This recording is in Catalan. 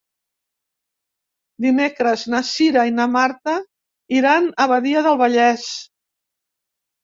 Dimecres na Cira i na Marta iran a Badia del Vallès.